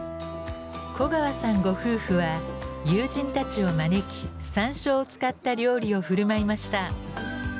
古川さんご夫婦は友人たちを招き山椒を使った料理を振る舞いました。